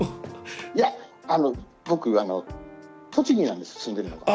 いや僕栃木なんです住んでるのが。